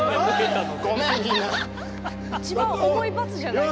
一番重い罰じゃない？